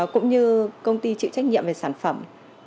cũng như công ty chịu trách nhiệm về sản phẩm